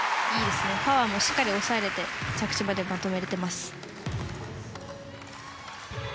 パワーもしっかりと抑えられて着地までまとめられてます。